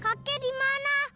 kakek di mana